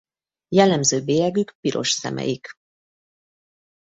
Jellemző bélyegük piros szemeik.